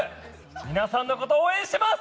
皆さんのこと応援してます！